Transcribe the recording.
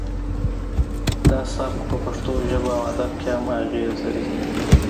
دا سبک په پښتو ژبه او ادب کې هم اغیز لري